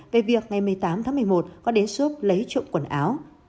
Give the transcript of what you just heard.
về việc ngày một mươi tám tháng một mươi một có đến shop lấy trộm quần áo